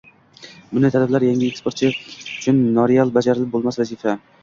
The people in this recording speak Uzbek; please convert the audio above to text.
— bunday talablar yangi eksportchi uchun noreal, bajarib bo‘lmas vazifa.